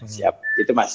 siap gitu mas